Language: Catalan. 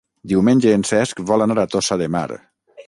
Diumenge en Cesc vol anar a Tossa de Mar.